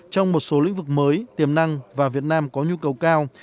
trong một số lĩnh vực mới tiềm năng và việt nam có nhu cầu cao